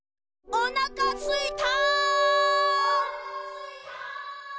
おなかすいた！